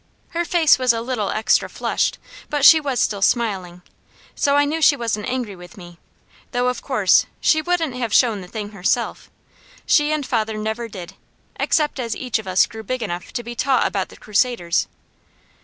Her face was a little extra flushed, but she was still smiling; so I knew she wasn't angry with me, though of course she wouldn't have shown the thing herself. She and father never did, except as each of us grew big enough to be taught about the Crusaders.